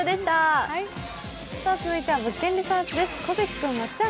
続いては「物件リサーチ」です。